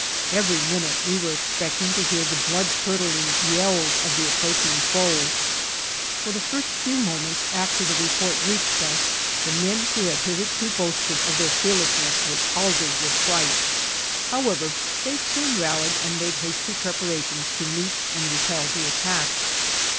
Every minute we were expecting to hear the blood curdling yells of the approaching foe. For the first few moments after the report reached us, the men who had hitherto boasted of their fearlessness were palsied with fright ; however they soon rallied and made hasty preparations to meet and repel the attack.